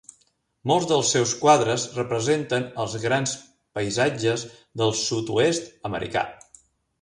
Moltes dels seus quadres representen els grans paisatges del sud-oest americà.